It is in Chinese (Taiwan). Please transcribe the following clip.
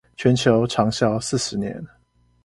全球長銷四十年